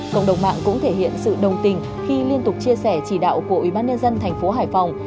cộng đồng mạng cũng thể hiện sự đồng tình khi liên tục chia sẻ chỉ đạo của ubnd tp hải phòng